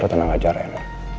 lu tenang aja ren